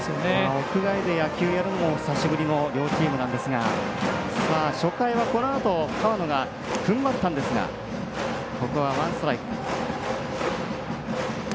屋外で野球をやるのも久しぶりの両チームなんですが初回はこのあと河野がふんばったんですがここはワンストライク。